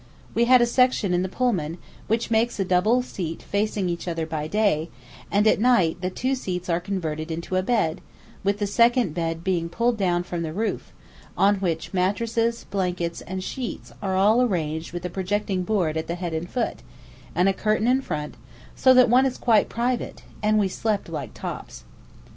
We had a section in the Pullman, which makes a double seat facing each other by day, and at night the two seats are converted into a bed, with the second bed pulled down from the roof, on which mattresses, blankets, and sheets are all arranged with a projecting board at the head and foot, and a curtain in front, so that one is quite private, and we slept like tops.